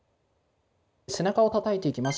背中をたたいていきます。